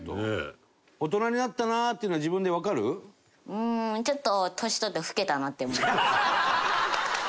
うーんちょっと。